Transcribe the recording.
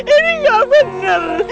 ini gak bener